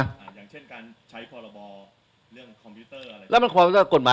อย่างเช่นการใช้พอร์โลบอเรื่องคอมพิวเตอร์อะไรอย่างนี้